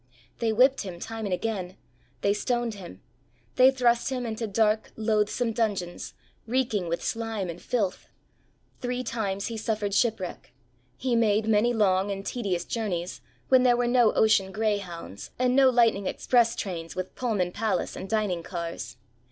They whipped him time and again ; they stoned him ; they thrust him into dark, loathsome dungeons, reeking with slime and filth ; three times he suffered shipwreck, he made many long and tedious journeys when there were no ocean greyhounds and no lightning express trains with Pullman palace and dining cars.